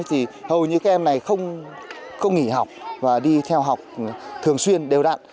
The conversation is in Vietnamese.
thì hầu như các em này không nghỉ học và đi theo học thường xuyên đều đặn